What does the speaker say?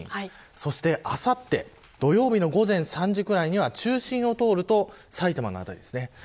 そして、あさって土曜日の午前３時ぐらいには中心を通ると埼玉の辺りですね。